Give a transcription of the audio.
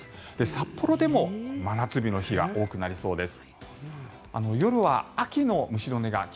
札幌でも真夏日の日が多くなりそうです。